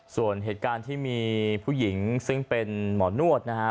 ส่วนเหตุการณ์ที่มีผู้หญิงซึ่งเป็นหมอนวดนะฮะ